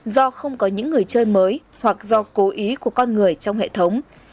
do không có những người chơi mới hoặc do cố ý của con người trong hệ thống